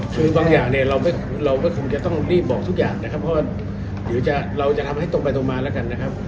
คือบางอย่างเนี่ยเราก็คงจะต้องรีบบอกทุกอย่างนะครับเพราะว่าเดี๋ยวเราจะทำให้ตรงไปตรงมาแล้วกันนะครับ